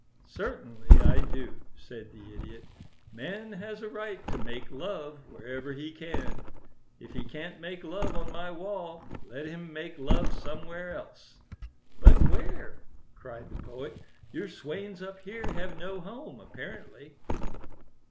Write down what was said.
"Certainly I do," said the Idiot. "Man has a right to make love wherever he can. If he can't make love on my wall, let him make love somewhere else." "But where?" cried the Poet. "Your swains up here have no home, apparently."